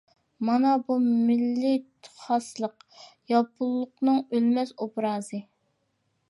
مانا بۇ مىللىي خاسلىق، ياپونلۇقنىڭ ئۆلمەس ئوبرازى.